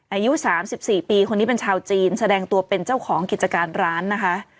อายุ๓๔ปีคนนี้เป็นชาวจีนแสดงตัวเป็นเจ้าของกิจการร้านนะคะ